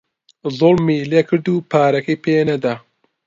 زووڵمی لێکرد و پارەکەی پێ نەدا